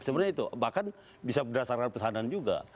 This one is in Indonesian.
sebenarnya itu bahkan bisa berdasarkan pesanan juga